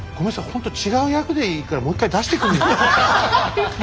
本当違う役でいいからもう一回出してくんねえかな。